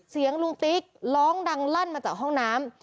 ลุงติ๊กร้องดังลั่นมาจากห้องน้ำ